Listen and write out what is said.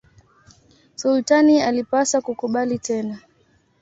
Sultani alipaswa kukubali tena.